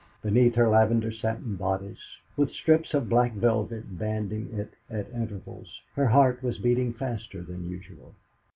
Beneath her lavender satin bodice, with strips of black velvet banding it at intervals, her heart was beating faster than usual.